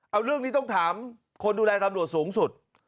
เอาเรื่องนี้ต้องถามคนดูแลตำรวจสูงสุด